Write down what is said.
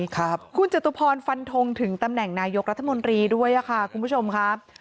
คุณจตุพรฟันทงถึงตำแหน่งนายกรัฐมนตรีด้วยค่ะคุณผู้ชมครับ